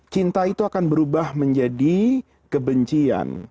cinta itu akan berubah menjadi kebencian